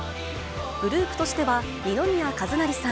グループとしては二宮和也さん、